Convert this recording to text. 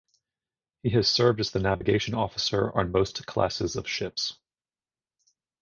He has served as the navigation officer on most classes of ships.